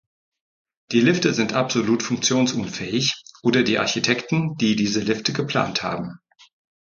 Die Lifte sind absolut funktionsunfähig oder die Architekten, die diese Lifte geplant haben.